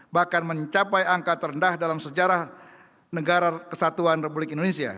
bahkan mencapai angka terendah dalam sejarah negara kesatuan republik indonesia